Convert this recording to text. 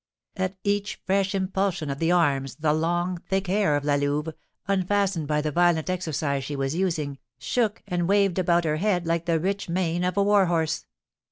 At each fresh impulsion of the arms the long, thick hair of La Louve, unfastened by the violent exercise she was using, shook and waved about her head like the rich mane of a war horse.